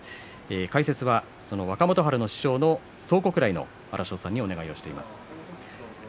解説はその若元春の師匠の蒼国来の荒汐さんにお願いしています。